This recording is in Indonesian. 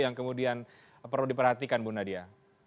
yang kemudian perlu diperhatikan bu nadia